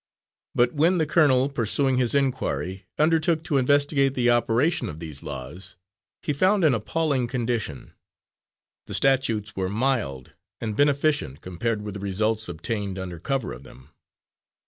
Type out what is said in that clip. But when the colonel, pursuing his inquiry, undertook to investigate the operation of these laws, he found an appalling condition. The statutes were mild and beneficent compared with the results obtained under cover of them.